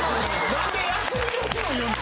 何で休みの日を言うの？